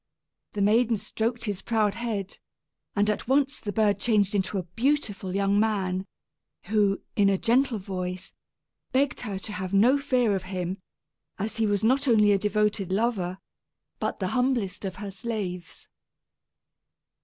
The maiden stroked his proud head, and at once the bird changed to a beautiful young man, who, in a gentle voice, begged her to have no fear of him, as he was not only a devoted lover but the humblest of her slaves.